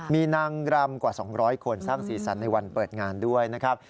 มีนางรำกว่า๒๐๐คนสร้างสีสันในวันเปิดงานด้วยนะครับ